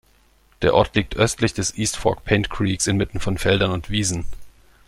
Der Ort liegt östlich des East Fork Paint Creeks inmitten von Feldern und Wiesen.